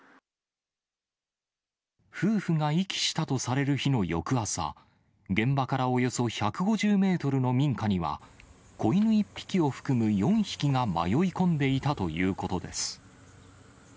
夫婦が遺棄したとされる日の翌朝、現場からおよそ１５０メートルの民家には、子犬１匹を含む４匹が迷い込んでいたということです。